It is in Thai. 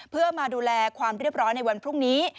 เพื่อมาดูแลความเรียบร้อยในวันพรุ่งนี้